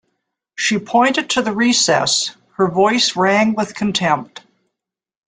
She pointed to the recess; her voice rang with contempt.